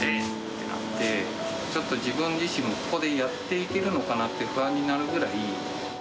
ちょっと自分自身も、ここでやっていけるのかなって不安になるぐらい。